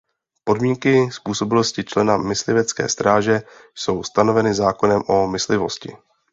Podmínky způsobilosti člena myslivecké stráže jsou stanoveny zákonem o myslivosti.